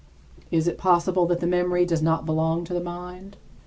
Is it possible that the memory does not belong to the mind?